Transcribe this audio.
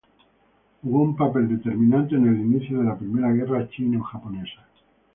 Jugó un papel determinante en el inicio de la primera guerra chino-japonesa.